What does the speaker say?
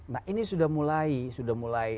nah ini sudah mulai sudah mulai